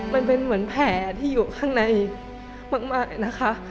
มันเป็นเหมือนแผลที่อยู่ข้างในมากนะคะ